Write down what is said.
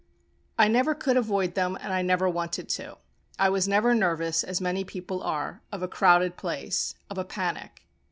I never could avoid them and I never wanted to. I was never nervous, as many people are, of a crowded place of a panic.